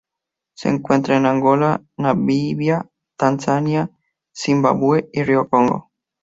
Se encuentra en Angola, Namibia, Tanzania, Zimbabue y río Congo.